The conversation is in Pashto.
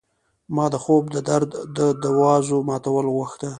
ما د خوب د در د دوازو ماتول غوښته